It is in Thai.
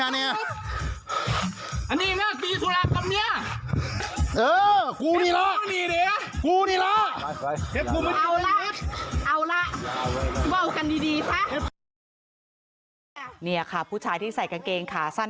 นี่ค่ะผู้ชายที่ใส่กางเกงขาสั้น